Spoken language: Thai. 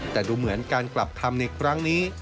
แต่ดูเหมือนการกลับทำในครั้งนี้